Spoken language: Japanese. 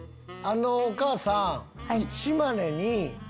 お母さん。